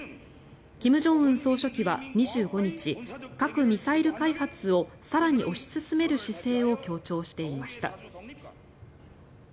金正恩総書記は２５日核・ミサイル開発を更に推し進める姿勢を強調していました。